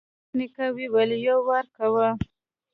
ميرويس نيکه وويل: يو وار کوو.